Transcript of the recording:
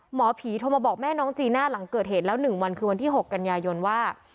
หมอผีโทรมาบอกแม่น้องจีน่าหลังเกิดเหตุแล้ว๑วันคือวันที่๖กันยายนว่า